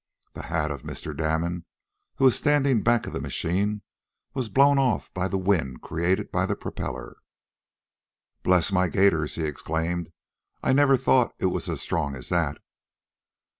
The hat of Mr. Damon, who was standing back of the machine, was blown off by the wind created by the propeller. "Bless my gaiters!" he exclaimed, "I never thought it was as strong as that!"